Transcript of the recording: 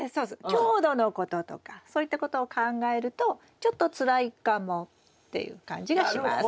強度のこととかそういったことを考えるとちょっとつらいかもっていう感じがします。